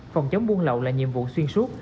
phòng chống buôn lậu là nhiệm vụ xuyên suốt